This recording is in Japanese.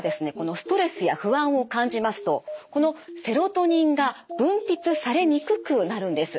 ストレスや不安を感じますとこのセロトニンが分泌されにくくなるんです。